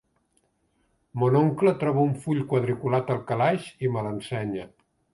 Mon oncle troba un full quadriculat al calaix i me l'ensenya.